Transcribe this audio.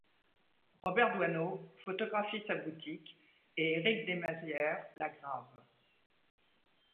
Robert Doisneau photographie sa boutique et Érik Desmazières la grave.